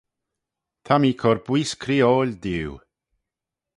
Ta mee cur booise creeoil diu.